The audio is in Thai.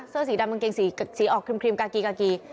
เสื้อสีดำกางเกงสีออกครีมกากีกากี